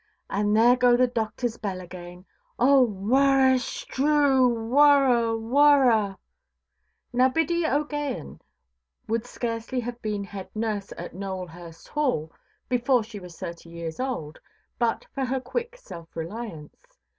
And there go the doctorʼs bell again! Oh whurra–strew, whurra, whurra"! Now Biddy OʼGaghan would scarcely have been head–nurse at Nowelhurst Hall, before she was thirty years old, but for her quick self–reliance.